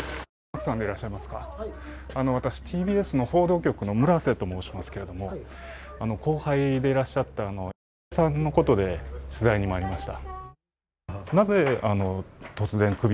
私、ＴＢＳ報道局の村瀬といいますけれども後輩でいらっしゃった○○さんのことで取材に参りました。